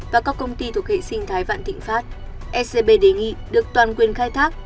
và các công ty thuộc hệ sinh thái vạn thịnh pháp ecb đề nghị được toàn quyền khai thác